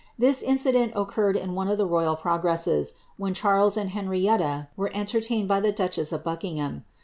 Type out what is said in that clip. Tills incident occurred in one of the royal progresses, when Charles v.] Henrietta w^ere entertained by the duchess of Buckingham.